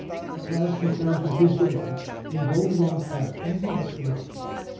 At last he found to his delight a well worn path leading up the mountain.